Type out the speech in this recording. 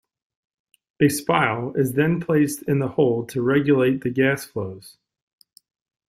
A spile is then placed in the hole to regulate the gas flow.